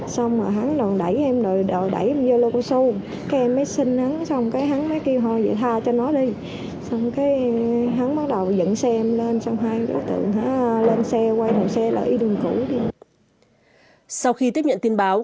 sau khi tiếp nhận tin báo công an huyện trân thành đã tập trung lực lượng phối hợp với công an tỉnh bình phước khẩn trương triển khai các biện pháp nhiệm vụ để làm rõ vụ án